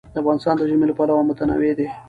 افغانستان د ژمی له پلوه متنوع دی.